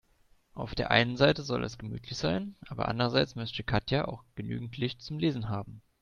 Auf der einen Seite soll es gemütlich sein, aber andererseits möchte Katja auch genügend Licht zum Lesen haben.